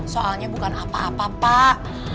soalnya bukan apa apa pak